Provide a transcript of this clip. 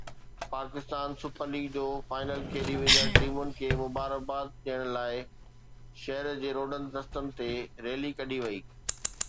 Pakistan super league جو final کيڏي ويندڙ ٽيمن کي مبارڪباد ڏيڻ لاءِ شهر جي روڊن رستن تي ريلي ڪڍي وئي